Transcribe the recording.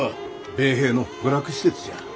米兵の娯楽施設じゃ。